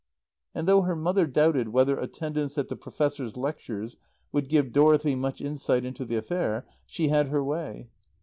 And though her mother doubted whether attendance at the Professor's lectures would give Dorothy much insight into the affair, she had her way.